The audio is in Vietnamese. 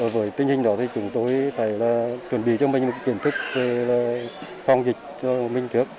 với tình hình đó thì chúng tôi phải chuẩn bị cho mình một kiểm thức phong dịch cho mình trước